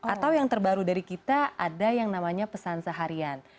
atau yang terbaru dari kita ada yang namanya pesan seharian